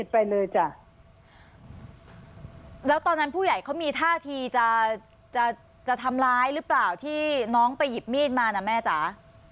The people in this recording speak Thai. ไปเลยจ้ะแล้วตอนนั้นผู้ใหญ่เขามีท่าทีจะจะทำร้ายหรือเปล่าที่น้องไปหยิบมีดมานะแม่จ๋า